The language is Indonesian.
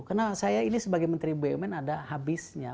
karena saya ini sebagai menteri bumn ada habisnya